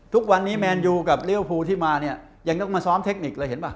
ทุกวันนี้แมนยูกับลิเวอร์ฟูที่มาเนี่ยยังต้องมาซ้อมเทคนิคเลยเห็นป่